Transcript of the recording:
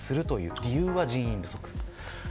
理由は人員不足です。